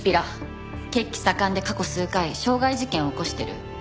血気盛んで過去数回傷害事件を起こしてる。